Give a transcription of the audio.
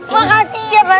makasih ya bang